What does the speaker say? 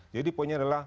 jadi poinnya adalah